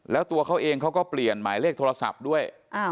แล้วตัวเขาเองเขาก็เปลี่ยนหมายเลขโทรศัพท์ด้วย